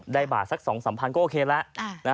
ได้บาทสักสองสามพันก็โอเคแล้ว